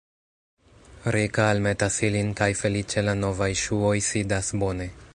Rika almetas ilin kaj feliĉe la novaj ŝuoj sidas bone.